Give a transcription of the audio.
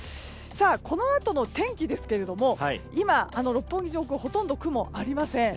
このあとの天気ですけれども今、六本木上空はほとんど雲がありません。